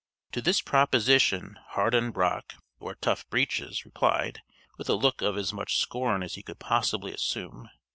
To this proposition Harden Broeck (or Tough Breeches) replied, with a look of as much scorn as he could possibly assume.